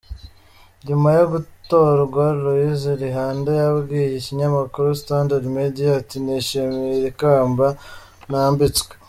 Nyuma yo gutorwa Loise Lihanda yabwiye ikinyamakuru Standard Media ati “Nishimiye iri kamba nambitswe.